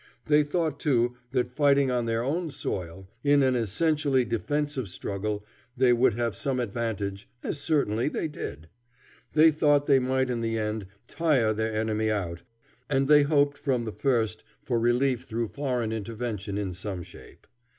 They thought too, that, fighting on their own soil, in an essentially defensive struggle, they would have some advantage, as they certainly did. They thought they might in the end tire their enemy out, and they hoped from the first for relief through foreign intervention in some shape.